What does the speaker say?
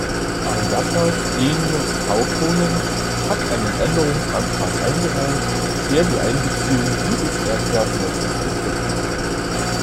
Marjatta Stenius-Kaukonen hat einen Änderungsantrag eingereicht, der die Einbeziehung dieses Erdgasnetzes betrifft.